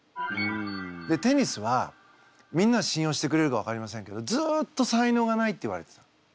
でテニスはみんなが信用してくれるか分かりませんけどずっと才能がないって言われてたの。